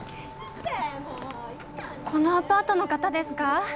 このアパートの方ですか？